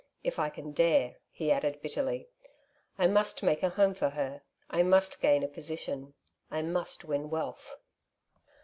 K I can dare,'' he added bitterly, '' I must make a home for her — I must gain a position, I must win wealth."